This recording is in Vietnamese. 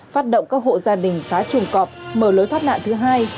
phát động các hộ gia đình phá chuồng cọp mở lối thoát nạn thứ hai